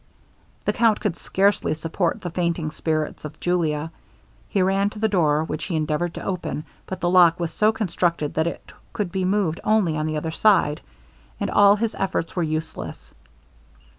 The count could scarcely support the fainting spirits of Julia; he ran to the door, which he endeavoured to open, but the lock was so constructed that it could be moved only on the other side, and all his efforts were useless.